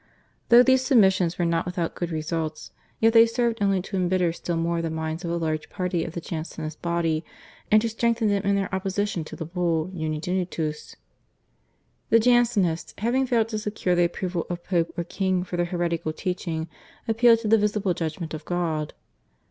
Though these submissions were not without good results, yet they served only to embitter still more the minds of a large body of the Jansenist party, and to strengthen them in their opposition to the Bull, /Unigenitus/. The Jansenists having failed to secure the approval of Pope or king for their heretical teaching appealed to the visible judgment of God.